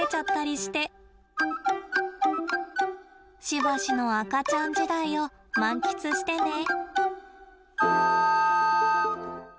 しばしの赤ちゃん時代を満喫してね。